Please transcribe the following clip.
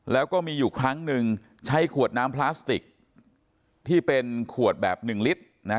แล้วก็มีอยู่ครั้งหนึ่งใช้ขวดน้ำพลาสติกที่เป็นขวดแบบหนึ่งลิตรนะฮะ